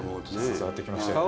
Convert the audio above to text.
伝わってきましたよね。